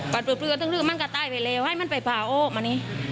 ปราบริเวณทั้งมันก็ตายไปแล้วให้มันไปพาโอ้มานี่